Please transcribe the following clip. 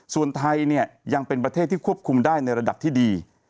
ส่วนไทยยังเป็นประเทศที่ควบคุมได้ในระดับที่ดี